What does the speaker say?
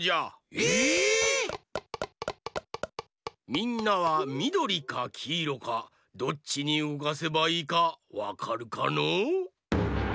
みんなはみどりかきいろかどっちにうごかせばいいかわかるかのう？